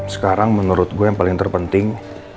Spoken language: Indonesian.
sekarang menurut gue yang paling terpenting